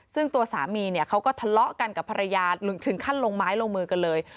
ซึ่งตัวสามีเนี่ยเขาก็ทะเลาะกันกับภรรยาถึงขั้นลงไม้ลงมือกันเลย